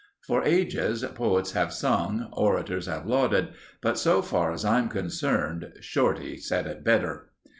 For ages poets have sung, orators have lauded, but so far as I'm concerned, Shorty said it better.